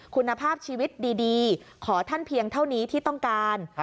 คุณภาพชีวิตดีขอท่านเพียงเท่านี้ที่ต้องการ